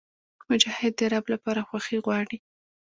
مجاهد د رب لپاره خوښي غواړي.